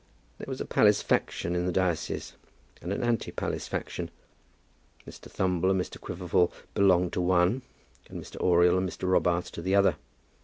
There was a palace faction in the diocese, and an anti palace faction. Mr. Thumble and Mr. Quiverful belonged to one, and Mr. Oriel and Mr. Robarts to the other.